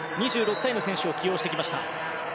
２６歳の選手を起用してきました。